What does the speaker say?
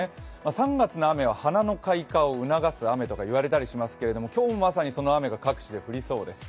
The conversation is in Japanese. ３月の雨は花の開花を促す雨と言われたりするんですが今日もまさにその雨が各地で降りそうです。